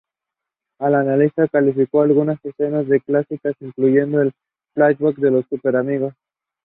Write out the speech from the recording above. The tournament is organized by the Football Association of Thailand.